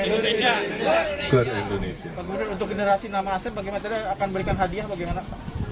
tidak akan memberikan hadiah bagaimana